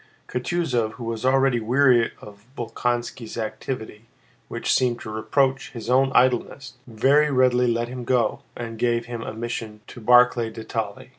Kutúzov, who was already weary of Bolkónski's activity which seemed to reproach his own idleness, very readily let him go and gave him a mission to Barclay de Tolly.